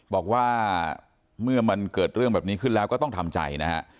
บอกว่าเมื่อมันเกิดเรื่องแบบนี้ขึ้นแล้วก็ต้องทำใจนะฮะ